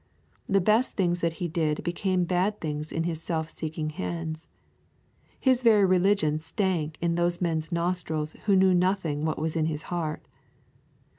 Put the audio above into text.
The best things that he did became bad things in his self seeking hands. His very religion stank in those men's nostrils who knew what was in his heart.